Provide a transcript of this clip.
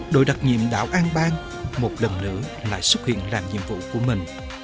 đội đặc nhiệm đảo an bang một lần nữa lại xuất hiện làm nhiệm vụ của mình